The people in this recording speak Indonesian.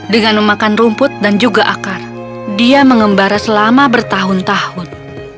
dengan memakan rumput dan juga akar dia mengembara selama bertahun tahun